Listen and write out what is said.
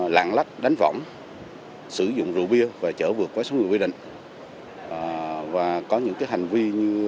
lạng lách đánh võng sử dụng rượu bia và chở vượt qua số người quy định